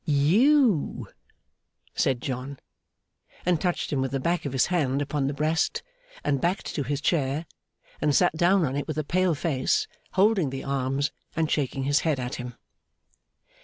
'You,' said John. And touched him with the back of his hand upon the breast, and backed to his chair, and sat down on it with a pale face, holding the arms, and shaking his head at him.